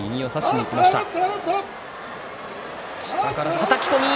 はたき込み。